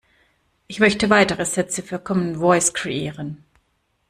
Ich möchte weitere Sätze für Commen Voice kreieren.